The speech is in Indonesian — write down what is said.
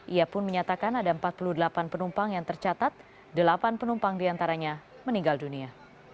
ia pun menyatakan ada empat puluh delapan penumpang yang tercatat delapan penumpang diantaranya meninggal dunia